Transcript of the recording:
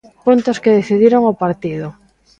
Puntos que decidiron o partido.